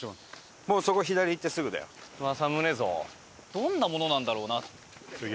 どんなものなんだろうな？